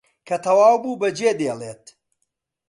کە تەواو بوو بەجێ دێڵێت